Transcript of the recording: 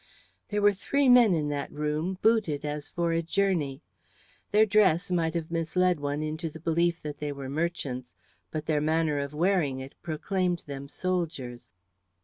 There were three men in that room booted as for a journey. Their dress might have misled one into the belief that they were merchants, but their manner of wearing it proclaimed them soldiers.